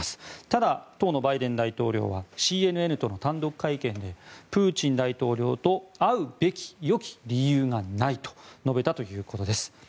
ただ、当のバイデン大統領はＣＮＮとの単独会見でプーチン大統領と会うべきよき理由がないと述べたということです。